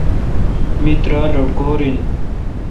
می ترہ لٹکور نان۔